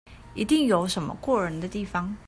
一定有什麼過人的地方